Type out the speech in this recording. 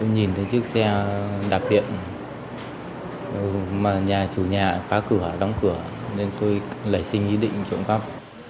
nhà chủ nhà khóa cửa đóng cửa nên tôi lấy xin ý định trộm cắp